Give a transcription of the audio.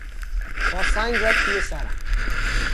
با سنگ زد توی سرم.